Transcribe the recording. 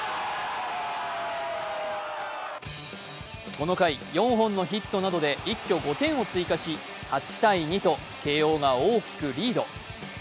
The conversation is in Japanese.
この回、４本のヒットなどで一挙５点を追加し８−２と慶応が大きくリード。